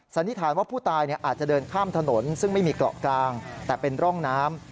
สันนิษฐานว่าผู้ตายอาจจะเดินข้ามถนนซึ่งไม่มีเกาะกลางแต่เป็นร่องน้ำ